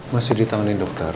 masih ditangani dokter